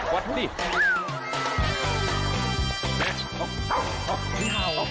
วัดดิ